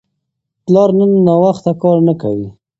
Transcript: پلار نن ناوخته کار نه کوي.